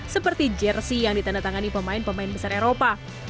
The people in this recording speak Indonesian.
seperti jersey yang ditandatangani pemain pemain besar eropa